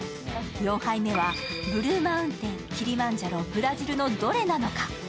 ４杯目は、ブルーマウンテン、キリマンジャロ、ブラジルのどれなのか。